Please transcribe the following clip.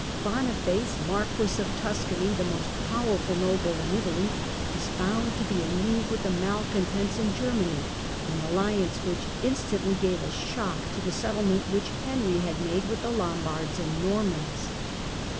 Boniface, marquis of Tuscany, the most powerful noble in Italy, was found to be in league with the malcontents in Germany — an alliance which instantly gave a shock to the settlement which Henry had made with the Lombards and Normans.